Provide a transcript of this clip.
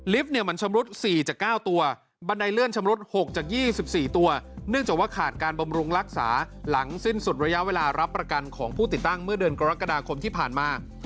มันชำรุด๔จาก๙ตัวบันไดเลื่อนชำรุด๖จาก๒๔ตัวเนื่องจากว่าขาดการบำรุงรักษาหลังสิ้นสุดระยะเวลารับประกันของผู้ติดตั้งเมื่อเดือนกรกฎาคมที่ผ่านมา